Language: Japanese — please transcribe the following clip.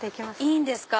いいんですか。